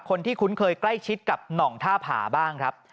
คุ้นเคยใกล้ชิดกับหน่องท่าผาบ้างครับ